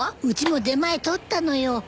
うちも出前取ったのよ。